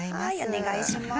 お願いします。